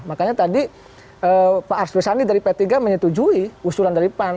makanya tadi pak arsul sandi dari p tiga menyetujui usulan dari pan